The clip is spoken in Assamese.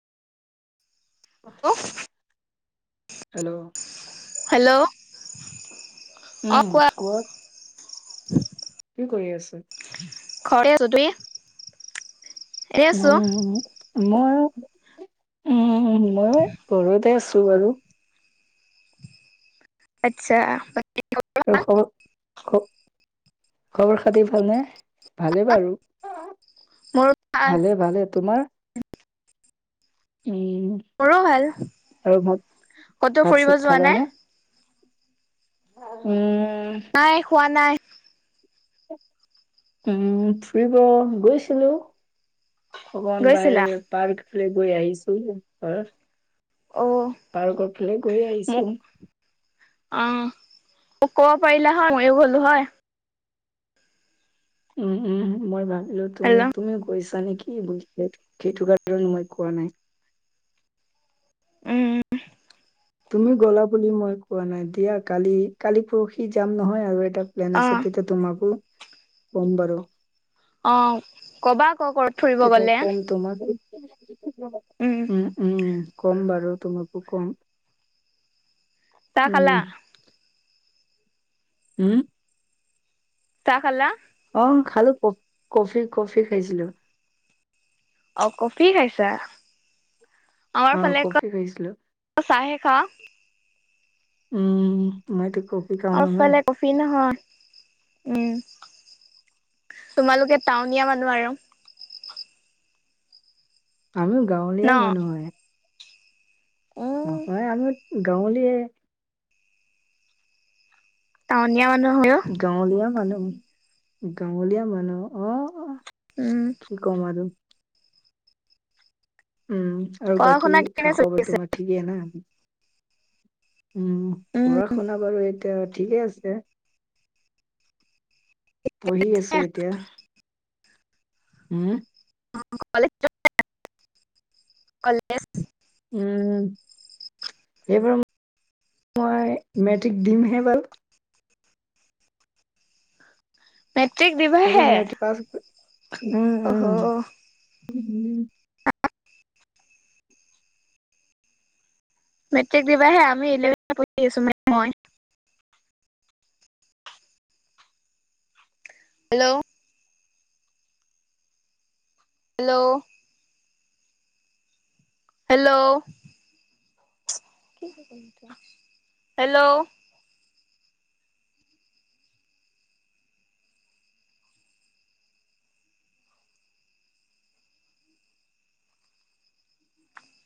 উফ। হেল্ল'। হেল্ল'! অ উম, কোৱা ক'ত? [inaudible] কৰি আছো। ঘৰে জতে উম, মই, উম, মই ঘৰতে আছো। বাৰু। আতছা [unintelligible] আৰু খবৰৰ, খ খবৰ খাতি ভাল নে? ভালেই বাৰু। মোৰ ভাল ভালে, ভালে তোমাৰ? উম মোৰো ভাল। আৰু ভাত ক'তো ভাত ফুৰিব চাত যোৱা খালানে? নাই? উম নাই, খোৱা নাই। উম, ফুৰিব গৈছিলোঁ, অকমান গৈছিলা বাইৰ, পাৰ্ক। ফালে গৈ আহিছো, ঘৰ। অ পাৰ্কৰ ফালে গৈয়ে মোক আহিছোঁ। অ', মোক ক'ব পাৰিলা হয়, মইয়ো গ'লো হয়। উম, উম, মই ভাবিলো তুমি, হেল্ল' তুমিও গৈছা। নেকি, সেইটো কাৰনে, মই কোৱা নাই। উম। তুমি গ'লা, বুলি মই কোৱা নাই, দিয়া কালি, কালি পৰহি যাম নহয় আৰু প্লেন অ আছে, তেতিয়া তোমাকো কম বাৰু। অ', ক'বা, আকৌ ক'ৰবাত ফুৰিব তেতিয়া গলে। কম তোমাক উম - উম কম বাৰু। তুমাকু কম। ছাহ খালা? উম উম, ছাহ খালা। অ', খালো ক-কফি-কফি খাইছিলো। অ, কফি খাইছা। অ আমাৰ ফালে কফি খাইছিলো চাহে খা উম, মই অফালে কফি নহয়। উম, তোমালোকে টাউনীয়া মানুহ আৰু আমিও ন গাৱলীয়াই মানুহ হয়। উম নহয় আমি গাৱলীয়ে। টাউনীয়া মানুহ হয় অ গাৱলীয়া মানুহ - গাৱলীয়া মানুহ অ - উম অ। কি কম আৰু উম, আৰু পঢ়া বাকী শুনা কেনে খা চলি খবৰ আছে? তোমাৰ ঠিকেই না? উম, উম, পঢ়া শুনা বাৰু এতিয়া ঠিকে আছে। পঢ়ি আছো এতিয়া। হম, কলেজ - কলেজ [unintelligible] উম, সেইবাৰ মই মেট্ৰিক দিমহে বাৰু মেট্ৰিক দিবাহে এইব মেট্ৰিক প অহ উম - উম মেট্ৰিক দিবাহে আমিলেভেন পঢি আছো মানে মই হেল্ল', হেল্ল', হেল্ল'? হেল্ল',